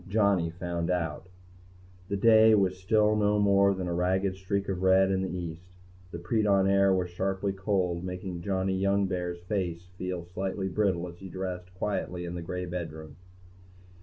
Johnny found out!_ SOUND OF TERROR BY DON BERRY The day was still no more than a ragged streak of red in the east; the pre dawn air was sharply cold, making Johnny Youngbear's face feel slightly brittle as he dressed quietly in the gray bedroom.